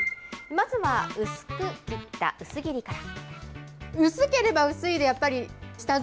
まずは薄く切った薄切りから。